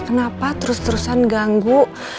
kenapa terus terusan ganggu